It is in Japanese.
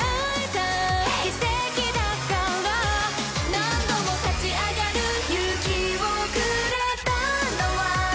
「何度も立ち上がる勇気をくれたのは」